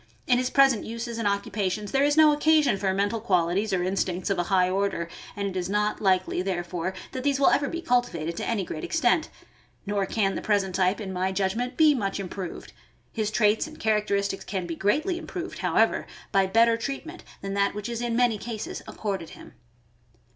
In his present uses and occupations there is no occasion for mental qualities or instincts of a high order, and it is not likely, therefore, that these will ever be cultivated to any great extent; nor can the present type, in my judgment, be much improved. His traits and characteristics can be greatly improved, however, by better treatment than that which is in many cases accorded him.